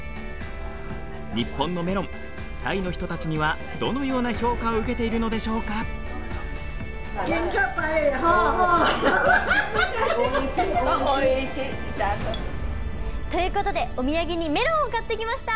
日本のメロンタイの人たちにはどのような評価を受けているのでしょうか。ということでお土産にメロンを買ってきました。